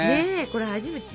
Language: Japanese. これ初めて。